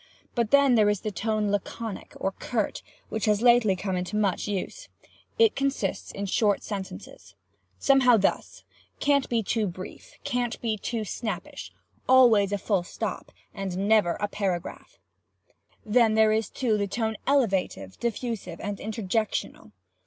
But then there is the tone laconic, or curt, which has lately come much into use. It consists in short sentences. Somehow thus: Can't be too brief. Can't be too snappish. Always a full stop. And never a paragraph. "Then there is the tone elevated, diffusive, and interjectional.